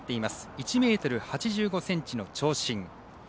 １ｍ８５ｃｍの長身。